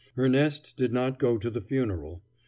Erneste did not go to the funeral.